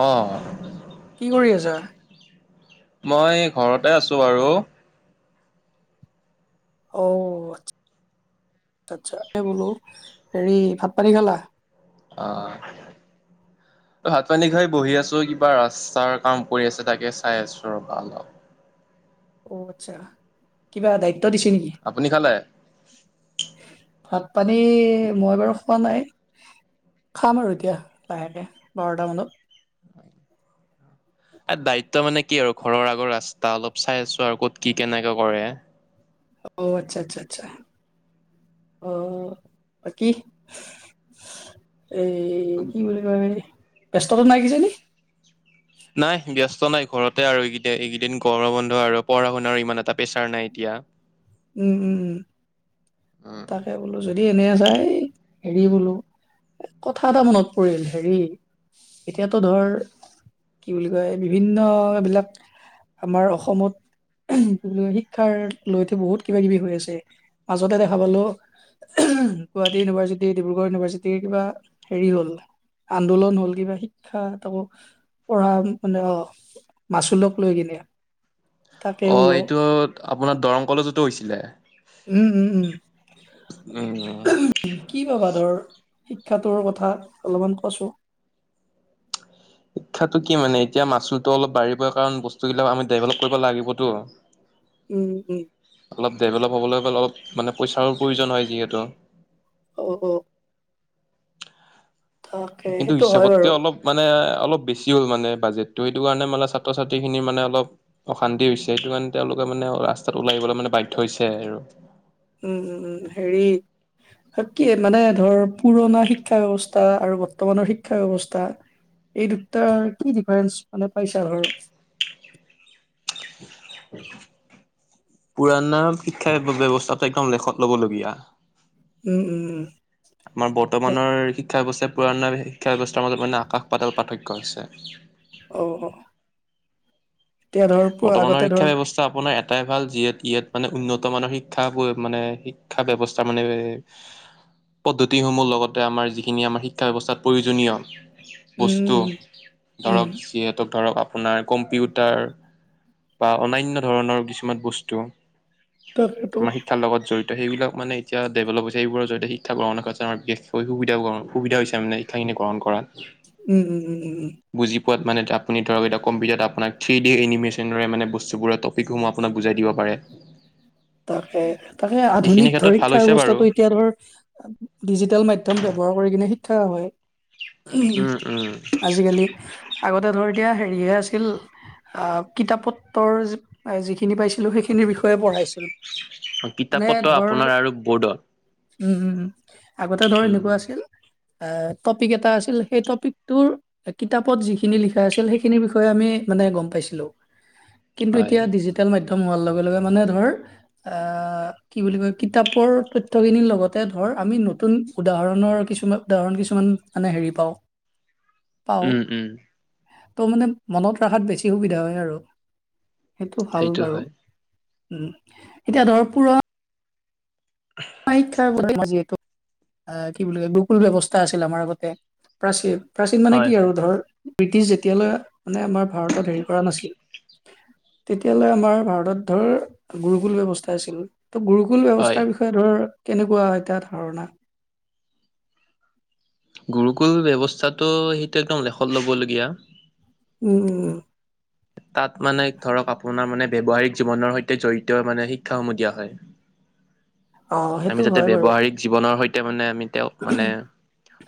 অ কি কৰি আছা? মই ঘৰতে আছোঁ বাৰু অ এই বোলো হেৰি ভাত পানী খালা অ [inaudible] ভাত-পানী খাই বহি আছো কিবা ৰাস্তাৰ কাম কৰি আছে তাকে চাই আছো ৰবা অলপ অ আচ্ছা কিবা দায়িত্ব দিছে নেকি? আপুনি খালে? ভাত-পানী মই বাৰু খোৱা নাই খাম আৰু এতিয়া লাহেকে বাৰটা মানত এ দায়িত্ব মানে কি আৰু ঘৰৰ আগৰ ৰাস্তা অলপ চাই আছো আৰু ক'ত কি কেনেকে কৰে অ আচ্ছা আচ্ছা আচ্ছা অ বাকি এই কি বুলি কয় ব্যস্ততা নাই কিজানি নাই ব্যস্ত নাই ঘৰতে আৰু এইকেই এইকেইদিন গৰম বন্ধ আৰু পঢ়া-শুনাৰ ইমান এটা প্ৰেছাৰ নাই এতিয়া উম উম উম উম তাকে বোলো যদি এনে আছা এই হেৰি বোলো কথা এটা মনত পৰিল হেৰি এতিয়াতো ধৰ কি বুলি কয় বিভিন্ন এবিলাক আমাৰ অসমত কি বুলি কয় শিক্ষাৰ লৈত বহুত কিবা কিবি হৈ আছে মাজতে দেখা পালো গুৱাহাটী ইউনিভাৰ্চিটি, ডিব্ৰুগড় ইউনিভাৰ্চিটিৰ কিবা হেৰি হ'ল আন্দোলন হ'ল কিবা শিক্ষা তাকো পঢ়া মানে অ মাচুলক লৈ কিনে তাকে অঁ বোলো এইটো আপোনাৰ দৰং কলেজতো হৈছিলে উম উম উম উম উম কি পাবা ধৰ শিক্ষাটোৰ কথা অলপমান কৱছো শিক্ষাটো কি মানে এতিয়া মাচুলটো অলপ বাঢ়িবই কাৰণ বস্তুবিলাক আমি ডেভেলপ কৰিব লাগিবতো উম উম অলপ ডেভেলপ হ'বলৈ গ'লে অলপ মানে পইচাৰো প্ৰয়োজন হয় যিহেতু অ অ তাকে কিন্তু সেইটো হয় হিচাপতকে বাৰু অলপ মানে অলপ বেছি হ'ল মানে বাজেটতো সেইটো কাৰণে মানে ছাত্ৰ ছাত্ৰী খিনি মানে অলপ অশান্তি হৈছে সেইটো কাৰণে তেওঁলোকে মানে ৰাস্তাত ওলাই আহিবলৈ মানে বাধ্য হৈছে আৰু উম উম উম হেৰি কি মানে ধৰ পুৰণা শিক্ষা ব্যৱ স্থাআৰু বৰ্তমানৰ শিক্ষা ব্যৱস্থা এই দুটাৰ কি ডিফাৰেন্ঞ্চ মানে পাইছা ধৰ পুৰাণা শিক্ষা ব্যৱস্থাটো একদম লেখত লব লগীয়া উম উম উম, আমাৰ অ', বৰ্তমানৰ শিক্ষা ব্যৱস্থা পুৰণা শিক্ষা ব্যৱস্থাৰ মাজত মানে আকাশ পাতাল পাৰ্থক্য আছে অ অ এতিয়া ধৰ প আগতে বৰ্তমানৰ ধৰ শিক্ষা ব্যৱস্থা আপোনাৰ এ টাই ভাল যিয়ে তিয়েত মানে উন্নত মানৰ শিক্ষা মানে শিক্ষা ব্যৱস্থা মানে পদ্ধতিসমূহ লগতে আমাৰ যিখিনি আমাৰ শিক্ষা ব্যৱস্থাত প্ৰয়োজনীয় উম, বস্তু উম, উম, ধৰক যিহেতু ধৰক আপোনাৰ কম্পিউটাৰ বা অনান্য ধৰণৰ কিছুমান বস্তু তাকেতো আমাৰ শিক্ষাৰ লগ জড়িত সেইবিলাক মানে এতিয়া ডেভেলপ হৈছে সেইবোৰৰ জৰিয়তে শিক্ষা গ্ৰহণৰ ক্ষেত্ৰত আমাৰ বিশেষকৈ সুবিধা সুবিধা হৈছে মানে শিক্ষাখিনি গ্ৰহণ কৰাত উম উম উম উম উম বুজি পোৱাত মানে এতিয়া আপুনি ধৰক এতিয়া কম্পিউটাৰত আপোনাক থ্ৰী সেই এনিমেচনেৰে মানে বস্তুবোৰৰ টপিকসমূহ আপোনাক বুজাই দিব পাৰে তাকে তাকে সেইখিনি আধুনিক ক্ষেত্ৰত ভাল সুৰক্ষা হৈছে বাৰু। ব্যৱস্থাতো এতিয়া ধৰ ডিজিটেল মাধ্যম ব্যৱহাৰ কৰি কিনে শিক্ষা হয় উম, উম, আজি কালি আগতে ধৰ এতিয়া হেৰিহে আছিল আহ কিতাপ পত্ৰৰ যি যিখিনি পাইছিলো সেইখিনিৰ বিষয়ে পঢ়াইছিলো অ মানে ধৰ উম উ আগতে ধৰ উম, এনেকোৱা আছিল এ টপিক এটা আছিল সেই টপিকটোৰ কিতাপত যিখিনি লিখা আছিল সেইখিনিৰ বিষয়ে আমি মানে গম পাইছিলো কিন্তু হয়। এতিয়া ডিজিটেল মাধ্যম হোৱাৰ লগে লগে মানে ধৰ আহ কি বুলি কয় কিতাপৰ তথ্যখিনিৰ লগতে ধৰ আমি নতুন উদাহৰণৰ কিছুমান উদাহৰণ কিছুমান মানে হেৰি পাও পাও উম, উম, ত' মানে মনত ৰখাত বেছি সুবিধা হয় আৰু সেইটো ভাল বাৰু উম এতিয়া ধৰ পুৰ শিক্ষা যিহেতু কি বুলি কয় গুগুল ব্যৱস্থা আছিল আমাৰ আগতে প্ৰাচীন প্ৰাচীন মানে হয়, কি আৰু হয়। ধৰ ব্ৰিটিছ যেতিয়ালৈ মানে আমাৰ ভাৰতত হেৰি কৰা নাছিল তেতিয়ালে আমাৰ ভাৰতত ধৰ গুৰুকুল ব্যৱস্থা আছিল ত গুৰুকুল হয়। ব্যৱস্থাৰ বিষয়ে ধৰ কেনেকোৱা এটা ধাৰণা গুৰুকুল ব্যৱস্থাটো সেইটো একদম লেখত ল'বলগীয়া উম উ তাত মানে ধৰক আপোনাৰ মানে ব্যৱহাৰিক জীৱনৰ সৈতে জড়িত মানে শিক্ষাসমূহ দিয়া হয় অ আমি সেইটো যাতে হয় বাৰু ব্যৱহাৰিক জীৱনৰ সৈতে মানে আমি তেওঁক মানে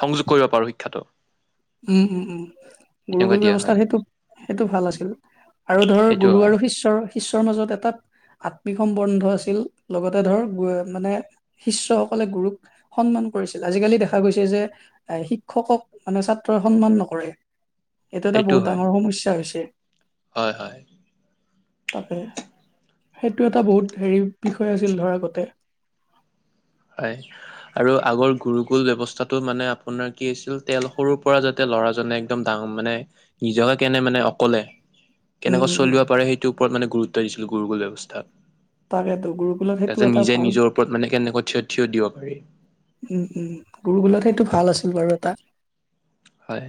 সংযোগ কৰিব পাৰো শিক্ষাটো উম উম উম তেনেকুৱা গুৰুকুল দিয়া ব্যৱস্থাত হয় সেইটো সেইটো ভাল আছিল আৰু ধৰ সেইটো গুৰু হয় আৰু শিষ্যৰ বিশ্বৰ মাজত এটা আত্মিক সম্বন্ধ আছিল লগতে ধৰ মানে। শিষ্যসকলে গুৰুক সন্মান কৰিছিল আজিকালি দেখা গৈছে যে এ শিক্ষকক মানে ছাত্ৰী। ত সন্মান নকৰে এইটো এটা সেইটো বহুত হয় ডাঙৰ সমস্যা হৈছে। হয় হয়। তাকে সেইটো এটা বহুত হেৰি বিষয় আছিল ধৰা আগতে। হয়। আৰু আগৰ গুৰু গুল ব্যৱস্থাটো মানে আপোনাৰ কি হৈছিল তেল সৰুৰ পৰা যাতে ল'ৰাজনে। একদম ডাঙ মানে নিজকে কেনে মানে অকলে। উম কেনেকুৱা উম উম চলিব পাৰে সেইটোৰ ওপৰত মানে গুৰুত্ব দিছিলো গুৰুগল ব্যৱস্থাত। তাকেতো গুৰুকুলত তাৰ সেইটো পিছত এটা নিজে ভাল নিজৰ ওপৰত মানে কেনেকৈ থিয় থিয় দিয়ক। উম উম গুৰুগোলত সেইটো ভাল আছিল বাৰু এটা। হয়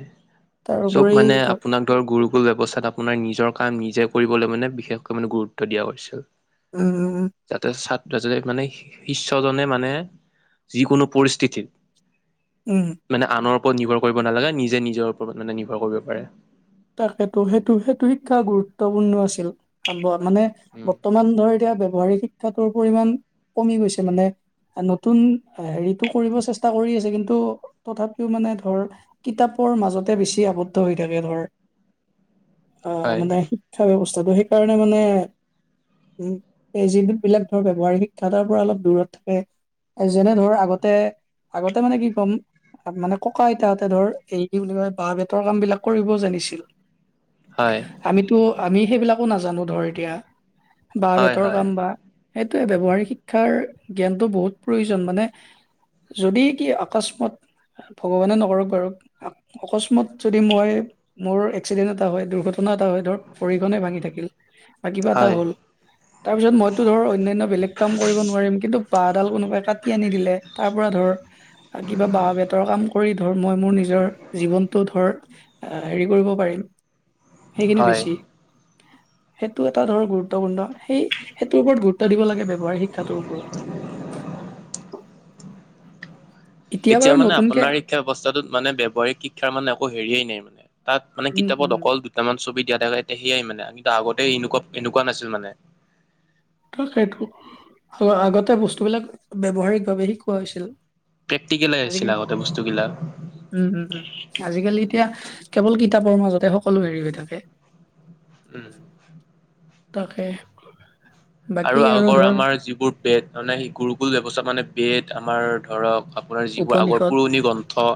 চব তাৰোপৰি মানে ধৰ আপোনাক। গুৰুগুল ব্যৱস্থাত আপোনাৰ নিজৰ কাম নিজে কৰিবলৈ মানে বিশেষকৈ মানে গুৰুত্ব দিয়া হৈছিল। উম উম উম। যাতে ছাত্ৰ জনে মানে শিষ্যজনে মানে। যিকোনো পৰিস্থিতিৰ। উম। মানে আনৰ ওপৰত নিৰ্ভৰ কৰিব নালাগে নিজে নিজৰ ওপৰত মানে নিৰ্ভৰ কৰিব পাৰে। তাকেতো সেইটো সেইটো শিক্ষা গুৰুত্বপূৰ্ণ আছিল। মানে উম, বৰ্তমান ধৰ এতিয়া ব্যৱহাৰিক শিক্ষাটোৰ পৰিমান কমি গৈছে মানে। নতুন হেৰিটো কৰিব চেষ্টা কৰি আছে কিন্তু তথাপিও মানে ধৰ। কিতাপৰ মাজতে বেছি আবদ্ধ হৈ থাকে ধৰ। অ হয়, মানে শিক্ষা ব্যৱস্থাটো সেইকাৰণে মানে। উ এই যিবিলাক ধৰ ব্যৱহাৰিক শিক্ষাৰ পৰা অলপ দূৰত থাকে। যেনে ধৰ আগতে আগতে মানে কি ক'ম। ত মানে ককা আইতাহঁতে ধৰ এই বিষয় বাহ বেতৰ কাম বিলাক কৰিবও জানিছিল। হয়। আমিতো আমি সেইবিলাকো নাজানো ধৰ এতিয়া বাঁহ হয়, বেতৰ হয়, কাম বা। সেইটোৱেইটো ব্যৱহাৰিক শিক্ষাৰ জ্ঞানটো বহুত প্ৰয়োজন মানে। যদি কি অকস্মাত। ভগৱানে নকৰক বাৰু অকস্মাত যদি মই মোৰ। এক্সিডেণ্ট এটা হয় দুৰ্ঘটনা এটা হয় ধৰক পৰিহনে ভাঙি থাকিল বা কিবা এটা হয়, হ'ল। তাৰপিছত মইতো ধৰ অন্যান্য বেলেগ কাম কৰিব নোৱাৰিম কিন্তু বাঁহডাল কোনোবাই কাটি আনি দিলে তাৰ পৰা ধৰ। কিবা বাঁহ বেতৰ কাম কৰি ধৰ মই মোৰ নিজৰ জীৱনটো ধৰ। আহ হেৰি কৰিব পাৰিম সেইখিনি হয়। বেছি। সেইটো এটা ধৰক গুৰুত্বপূৰ্ণ সেই সেইটোৰ ওপৰত গুৰুত্ব দিব লাগে ব্যৱহাৰিক শিক্ষাটোৰ ওপৰত। এতিয়া বাৰু মানে নতুনকে আপোনাৰ শিক্ষা ব্যৱস্থাটোত মানে ব্যৱহাৰিক শিক্ষাৰ মানে একো হেৰিয়েই। তাত মানে উম কিতাপত উম অকল দুটামান ছবি দিয়া থাকেয়া সেয়াই মানে কিন্তু আগতে এনেকুৱা এনেকুৱা নাছিল মানে। ত সেইটো আগতে বস্তুবিলাক ব্যৱহাৰিকভাৱে শিকোৱা হৈছিল। প্ৰেক্টিকেলে আছিলে আজিকালি আগতে বস্তুবিলাক। উম উম উম আজিকালি এতিয়া কেৱল কিতাপৰ মাজতে সকলো হেৰি হৈ থাকে। উম। তাকে। বাকী আৰু আগৰ ধৰ আমাৰ যিবোৰ বেত মানে গুৰু গুল ব্যৱস্থা মানে বেত আমাৰ ধৰক। আপোনাৰ যিবোৰ আগৰ উপনিষদ পুৰণি গ্ৰন্থ।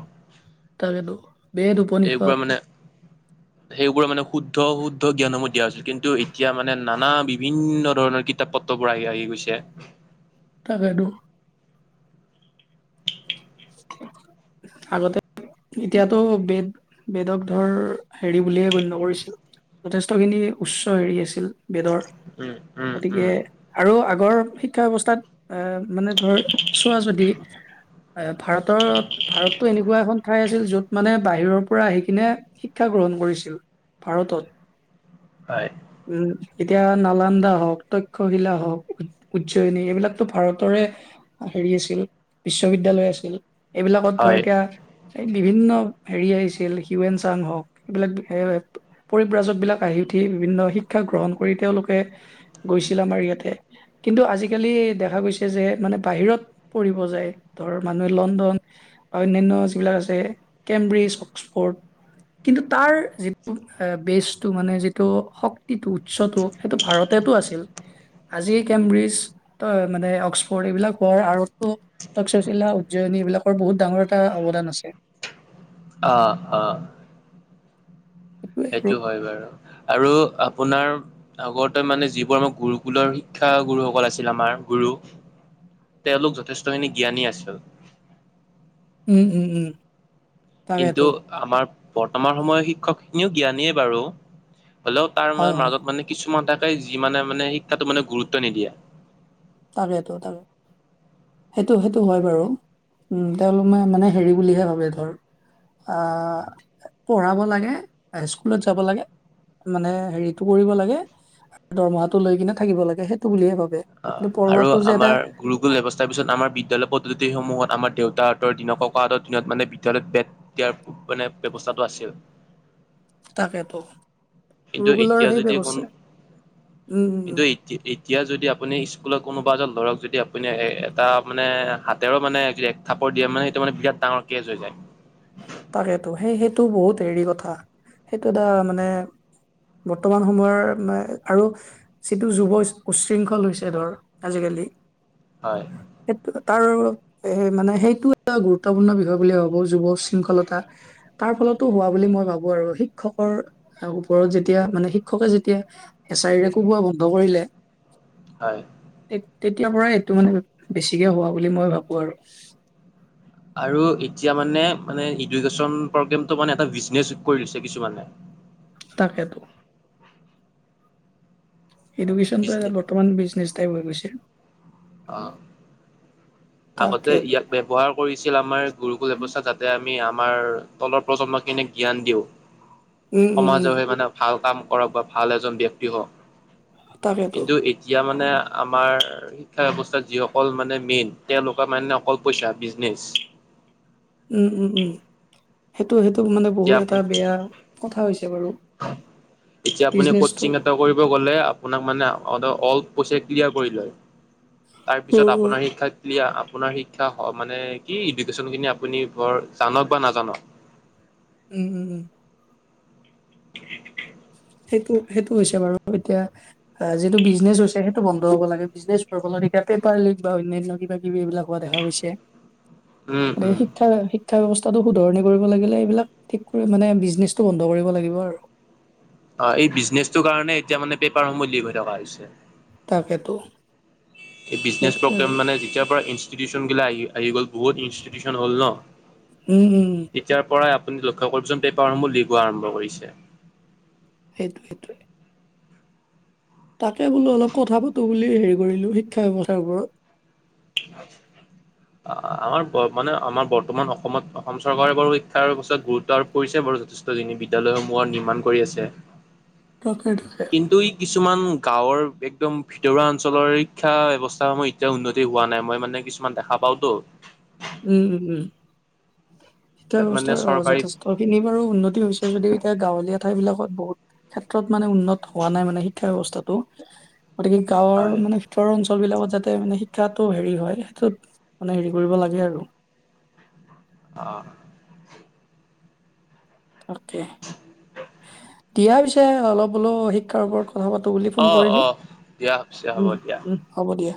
তাকেতো বেদ উপনিষদ এইবোৰা মানে সেইবোৰৰ মানে শুদ্ধ শুদ্ধ জ্ঞানসমূহ দিয়া হৈছিল কিন্তু এতিয়া মানে নানা বিভিন্ন ধৰণৰ কী কিতাপ পত্ৰবোৰ আহি আহি গৈছে তাকেইতো আগতে এতিয়াতো বেদ বেদক ধৰ হেৰি বুলিহে গণ্য কৰিছিল যথেষ্টখিনি উচ্চ হেৰি আছিল বেদৰ উম উম গতিকে উম আৰু আগৰ শিক্ষা ব্যৱস্থাত এ মানে ধৰ চোৱা যদি এ ভাৰতত ভাৰততো এনেকোৱা এখন ঠাই আছিল য'ত মানে বাহিৰৰ পৰা আহি কিনে শিক্ষা গ্ৰহণ কৰিছিল ভাৰতত হয় উম এতিয়া নালান্দা হওক তক্ষশিলা হওক উজ্জয়নী এইবিলাকতো ভাৰতৰে হেৰি আছিল বিশ্ববিদ্যালয় আছিল এইবিলাকত ধৰ হয় এতিয়া এ বিভিন্ন হেৰি আহিছিল হিউৱেন চাং হওক এইবিলাক পৰিব্ৰাজক বিলাক আহি উঠি বিভিন্ন শিক্ষা গ্ৰহণ কৰি তেওঁলোকে গৈছিল আমাৰ ইয়াতে কিন্তু আজিকালি দেখা গৈছে যে মানে বাহিৰত পঢ়িব যায় ধৰ মানুহে লণ্ডন বা অন্যান্য যিবিলাক আছে কেম্ব্ৰীজ অক্সফৰ্ড কিন্তু তাৰ যিটো বেচটো মানে যিটো শ ক্তিটো উৎসটো সেইটো ভাৰতেতো আছিল আজি কেম্ব্ৰিজতৰ মানে অক্সফৰ্ড এইবিলাক হোৱাৰ আৰতো তক্ষশিলা উজ্জয়িনী এইবিলাকৰ বহুত ডাঙৰ এটা অৱদান আছে অ অ সেইটোৱে আৰু সেইটো হয় বাৰু আৰু আপোনাৰ আগতে মানে যিবোৰ আমাৰ গুৰুকুলৰ শিক্ষা গুৰুসকল আছিল আমাৰ গুৰু তেওঁলোক যথেষ্টখিনি জ্ঞানী আছিল উম উম উম কিন্তু তাকেতো আমাৰ বৰ্তমান সময়ৰ শিক্ষকখিনিও জ্ঞানীয়ে বাৰু হ'লেও তাৰ হয় হয় মাজত মানে কিছুমান থাকে যি মানে মানে শিক্ষাটো মানে গুৰুত্ব নিদিয়ে তাকেতো তাকে সেইটো সেইটো হয় বাৰু উ তেওঁলোক মানে মানে হেৰি বুলিহে ভাবে ধৰ অ পঢ়াব লাগে স্কুলত যাব লাগে মানে হেৰিটো কৰিব লাগে দৰমহাটো লৈ কিনে থাকিব লাগে সেইটো বুলিহে ভাবে অ' কিন্তু আৰু পঢ়োৱাটো যে এটা আমাৰ গুৰুকুল ব্যৱস্থাৰ পিছত আমাৰ বিদ্যালয় পদ্ধতিসমূহত আমাৰ দেউতাহঁতৰ দিনৰ ককাহঁতৰ দিনত মানে বিদ্যালয় বেট এতিয়াৰ মানে ব্যৱস্থাটো আছিল তাকেতো কিন্তু গুৰুকুলৰ এতিয়া সেই যদি কোন ব্যৱস্থা উম উম কিন্তু উম এতিয়া যদি আপুনি স্কুলত কোনোবা এজন ল'ৰাক যদি আপুনি এটা মানে হাতেৰে মানে যে থাপৰ দিয়ে মানে সেইটো মানে বিৰাট ডাঙৰ কেচ হৈ যায় তাকেতো সেই সেইটো বহুত হেৰি কথা সেইটো এটা মানে বৰ্তমান সময়ৰ মানে আৰু যিটো যুৱ উশৃংখল হৈছে ধৰ আজিকালি হয় সেই তাৰ মানে সেইটো এটা গুৰুত্বপূৰ্ণ বিষয় বুলি ভাবোঁ যুৱ শৃংখলতা তাৰ ফলতো হোৱা বুলি মই ভাবো আৰু শিক্ষকৰ ওপৰত যেতিয়া মানে শিক্ষকে যেতিয়া এছাৰীৰে কোবোৱা বন্ধ কৰিলে হয়। তে তেতিয়াৰ পৰাই এইটো মানে বেছিকে হোৱা বুলি মই ভাবো আৰু। আৰু এতিয়া মানে মানে এডুকেশ্বন প্ৰগ্ৰেম মানে এটা বিজনেচ কৰি দিছে কিছুমানে। তাকেতো। এডুকেশ্যনটো বিজনে এ বৰ্তমান বিজনেচ টাইপ হৈ গৈছে। অ আগতে তাকেতো ইয়াক ব্যৱহাৰ কৰিছিল আমাৰ গুৰুকুল ব্যৱস্থা যাতে আমি আমাৰ তলৰ প্ৰজন্মখিনিক জ্ঞান দিওঁ। অ সমাজৰ সেই মানে ভাল কাম কৰক বা ভাল এজন ব্যক্তি হওঁক তাকেতো। কিন্তু এতিয়া মানে আমাৰ শিক্ষা ব্যৱস্থাত যিসকল মানে মেইন তেওঁলোকৰ মানে অকল পইচা বিজনেচ উম উম উম সেইটো সেইটো মানে এতিয়া বহুত আপু এটা বেয়া কথা হৈছে বাৰু। এতিয়া আপুনি বিজনেচটো। কচিং এটা কৰিব গলে আপোনাক মানে অ অল পইচা ক্লিয়াৰ কৰি লয় তাৰপিছত উম, উম। আপোনাৰ শিক্ষাক আপোনাৰ শিক্ষা মানে কি ইডুকেশ্যনখিনি আপুনি বৰ জানক বা নাজানক উম উম উম- সেইটো সেইটো হৈছে বাৰু এতিয়া অ যিটো বিজনেছ হৈছে সেইটো বন্ধ হ'ব লাগে বিজনেছ হত এতিয়া পেপাৰ লিক বা অন্যান্য কিবা কিবি এইবিলাক হোৱা দেখা গৈছে উম গতিকে উম শিক্ষা শিক্ষা ব্যৱস্থাটো শুধৰণি কৰিব লাগিলে এইবিলাক ঠিক কৰি মানে বিজনেছটো বন্ধ কৰিব লাগিব আৰু অ এই বিজনেচটোৰ কাৰণে এতিয়া মানে পেপাৰসমূহ লিক হৈ থকা হৈছে তাকেতো। এই বিজনেছ সেইটোৱে আৰু প্ৰগ্লেম মানে যেতিয়াৰ পৰা ইনষ্টিটিউশচন গিলা আহি আহি গ'ল বহুত ইনষ্টিটিউচন হ'ল ন। উম উম। তেতিয়াৰ পৰাই আপুনি লক্ষ্য কৰিবচোন পেপাৰসমূহ লিক হোৱা আৰম্ভ কৰিছে। সেইটোৱ সেইোৱ। তাকে বোলো অলপ কথা পাতো বুলি হেৰি কৰিলো শিক্ষা ব্যৱস্থাৰ ওপৰত। আ। আমাৰ মানে আমাৰ বৰ্তমান অসমত অসম চৰকাৰে বাৰু শিক্ষাৰ ব্যৱস্থাত গুৰুত্ব আৰোপ কৰিছে বাৰু যথেষ্টখিনি বিদ্যালয়সমূহৰ নিৰ্মাণ কৰি আছে। সেইটোৱে কিন্তু কিছুমান গাঁৱৰ একদম ভিতৰুৱা অঞ্চলৰ শিক্ষা ব্যৱস্থাসমূহ যেতিয়া উন্নতি হোৱা নাই মই মানে কিছুমান দেখা পাওতো উম উম উম শিক্ষা তাত মানে ব্যৱস্থাৰ চৰকাৰী যথেষ্ট খিনি বাৰু উন্নতি হৈছে যদিও এতিয়া গাঁৱলীয়া ঠাই বিলাকত বহুত ক্ষেত্ৰত মানে উন্নত হোৱা নাই মানে শিক্ষা ব্য্য়ৱস্থাটো গতিকে গাঁৱৰ হয় মানে উত্তৰৰ অঞ্চল বিলাকত যাতে মানে শিক্ষাটো হেৰি হয় সেইটোত মানে হেৰি কৰিব লাগে আৰু। [unintelligible] অ অকে দিয়া পিছে অলপ হোলো শিক্ষাৰ ওপৰত কথা পাতো বুলি অ' ফোন অ' কৰিলো, অ' দিয়া পিছে হ'ব উম দিয়া। উম হ'ব দিয়া।